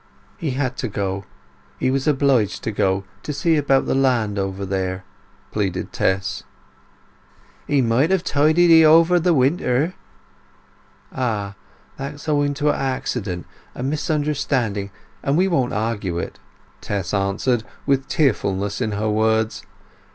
"He had to go—he was obliged to go, to see about the land over there!" pleaded Tess. "He might have tided 'ee over the winter." "Ah—that's owing to an accident—a misunderstanding; and we won't argue it," Tess answered, with tearfulness in her words.